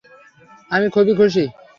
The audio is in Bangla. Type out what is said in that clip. আমি খুবই খুশি।